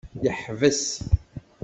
Yeḥbes.